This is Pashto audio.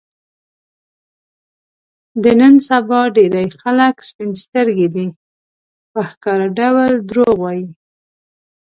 د نن سبا ډېری خلک سپین سترګي دي، په ښکاره ډول دروغ وايي.